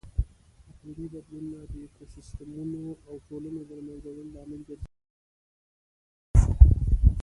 اقلیمي بدلونونه د ایکوسیسټمونو او ټولنو د لهمنځه وړلو لامل ګرځي.